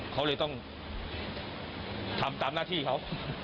เขาเลยต้องทำตามหน้าที่เขา